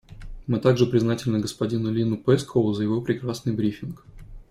Мы также признательны господину Линну Пэскоу за его прекрасный брифинг.